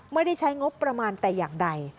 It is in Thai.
ไม่ได้ใช้งบประมาณแต่อย่างใด